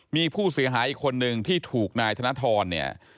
มีผู้เสียหายอีกคนนึงที่ถูกนายธนทรเนี่ย